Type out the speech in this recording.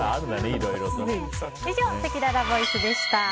以上、せきららボイスでした。